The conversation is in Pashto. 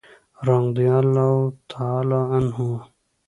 رضي الله تعالی عنه.